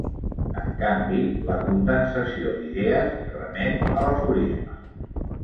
En canvi, la condensació d'idees remet a l'aforisme.